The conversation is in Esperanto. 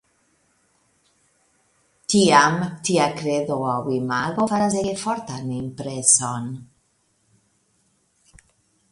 Tiam tia kredo aŭ imago faras ege fortan impreson.